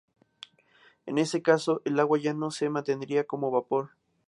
En ese caso el agua ya no se mantendría como vapor.